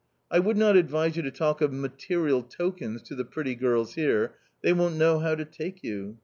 I would not advise you to talk of material tokens to the pretty girls here ; they won't know how to take you